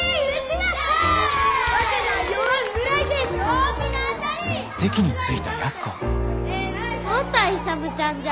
また勇ちゃんじゃ。